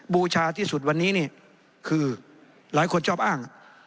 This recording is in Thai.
บูชาที่สุดวันนี้นี่คือหลายคนชอบอ้าง